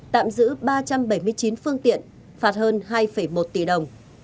tạm giữ ba trăm bảy mươi chín phương tiện phạt hơn hai một tỷ đồng